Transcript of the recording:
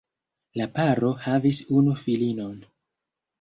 La paro havis unu filinon.